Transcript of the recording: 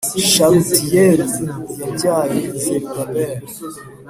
Shalutiyeli yabyaye Zerubabeli